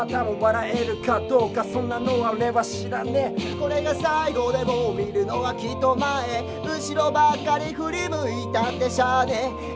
「これが最後でも見るのはきっと前」「後ろばっかり振り向いたってしゃあねえ」